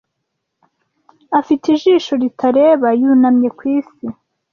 afite ijisho ritareba Yunamye kwisi;